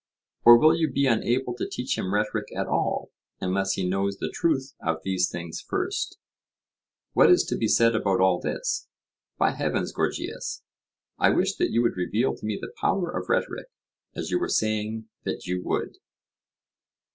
Or will you be unable to teach him rhetoric at all, unless he knows the truth of these things first? What is to be said about all this? By heavens, Gorgias, I wish that you would reveal to me the power of rhetoric, as you were saying that you would.